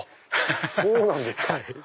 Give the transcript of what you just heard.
そうなんですか。